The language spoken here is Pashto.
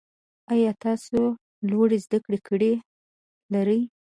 آیا تاسو لوړي زده کړي لرئ؟